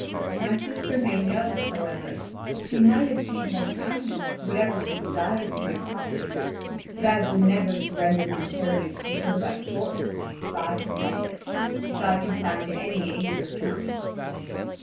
My sister may know, however, that she might obtain by kindness whatever she desired of my property; but I will never surrender my heritage to her by force, if I can help it, and if I can find any aid or counsel."